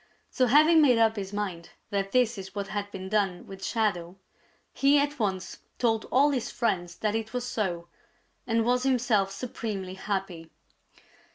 So having made up his mind that this is what had been done with Shadow, he at once told all his friends that it was so, and was himself supremely happy.